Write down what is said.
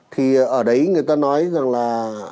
thì ở đấy người ta nói rằng là